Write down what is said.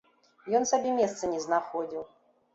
Ён сабе месца не знаходзіў.